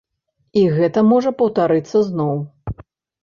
І гэта можа паўтарыцца зноў.